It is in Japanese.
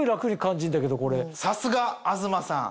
さすが東さん！